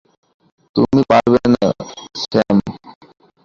তুমি পারবে না, স্যাম।